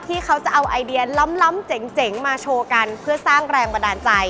ที่เขาจะเอาไอเดียล้ำเจ๋งมาโชว์กันเพื่อสร้างแรงบันดาลใจ